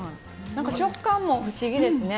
食感も不思議ですね。